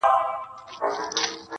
دا وړانګي له خلوته ستا یادونه تښتوي٫